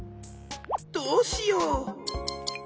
どうしよう？